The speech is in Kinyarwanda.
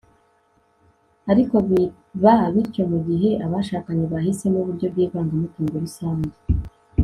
ariko biba bityo mu gihe abashakanye bahisemo uburyo bw'ivangamutungo rusange